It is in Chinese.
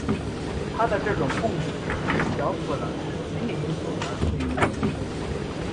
他的这种痛楚较可能是心理因素而非生理因素。